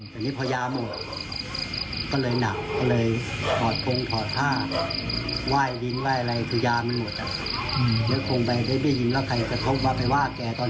คือทั้งวัดก็เลยบอกว่าเอาอย่างนี้ก็แล้วกันให้ไปรักษาตัวก่อน